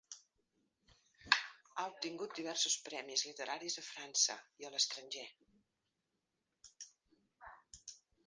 Ha obtingut diversos premis literaris a França i a l'estranger.